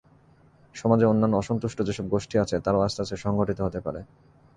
সমাজে অন্যান্য অসন্তুষ্ট যেসব গোষ্ঠী আছে, তারাও আস্তে আস্তে সংগঠিত হতে পারে।